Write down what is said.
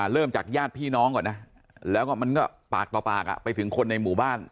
เริ่มจากญาติพี่น้องก่อนนะแล้วก็มันก็ปากต่อปากไปถึงคนในหมู่บ้าน